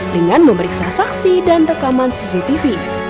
dengan memeriksa saksi dan rekaman cctv